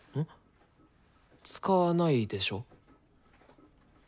使わないでしょ？